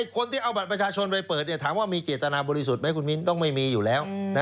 คนที่เอาบัตรประชาชนไปเปิดถามว่ามีเจตนาบริสุทธิ์ไหมคุณมินต้องไม่มีอยู่แล้ว